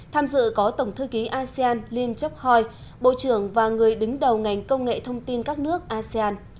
tham dự có tổng thư ký asean lim chok hoi bộ trưởng và người đứng đầu ngành công nghệ thông tin các nước asean